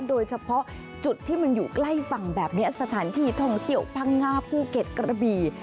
โดยเฉพาะจุดที่มันอยู่ใกล้ฝั่งแบบนี้สถานที่ท่องเที่ยวพังงาภูเก็ตกระบี่